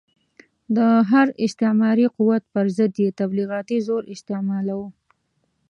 د هر استعماري قوت پر ضد یې تبلیغاتي زور استعمالاوه.